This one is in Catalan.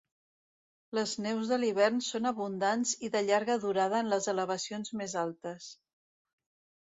Les neus de l'hivern són abundants i de llarga durada en les elevacions més altes.